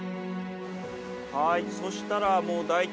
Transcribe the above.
はい。